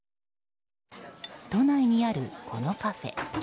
都内にある、このカフェ。